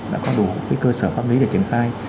đã có đủ cơ sở pháp lý để triển khai